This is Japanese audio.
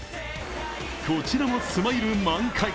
こちらもスマイル満開。